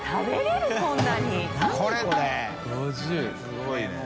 すごいね。